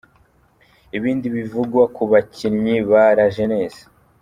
Ibindi bivugwa ku bakinnyi ba La Jeunnesse.